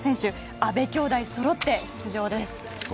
阿部兄妹そろって出場です。